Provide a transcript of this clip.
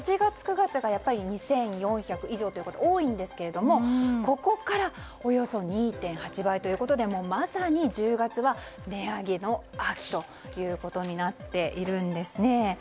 ８月、９月が２４００以上ということで多いんですけれども、ここからおよそ２．８倍ということでまさに１０月は値上げの秋ということになっているんです。